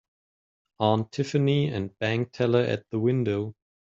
Aunt Tiffany and bank teller at the window.